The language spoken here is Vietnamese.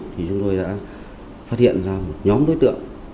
thì chúng tôi đã phát hiện ra một nhóm đối tượng